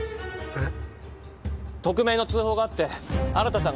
えっ！？